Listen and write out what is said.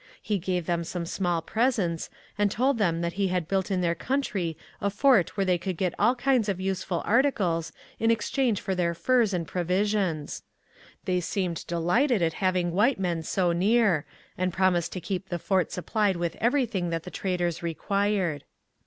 He gave them some small presents, and told them that he had built in their country a fort where they could get all kinds of useful articles in exchange for their furs and provisions. They seemed delighted at having white men so near, and promised to keep the fort supplied with everything that the traders required.